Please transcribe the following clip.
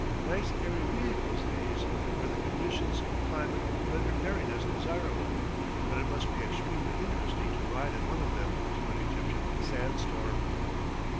Nice airy vehicles these, where the conditions of climate render airiness desirable, but it must be extremely interesting to ride in one of them through an Egyptian sand storm.